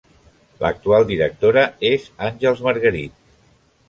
L'actual directora és Àngels Margarit.